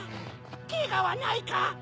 ケガはないか？